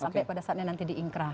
sampai pada saatnya nanti diingkrak